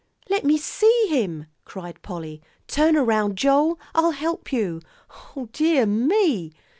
"Let me see him," cried Polly. "Turn around, Joel. I'll help you. O dear me!"